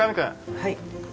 はい。